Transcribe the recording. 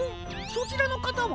そちらのかたは？